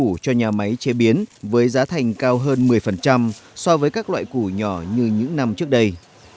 các loại củ cho nhà máy chế biến với giá thành cao hơn một mươi so với các loại củ nhỏ như những năm trước đây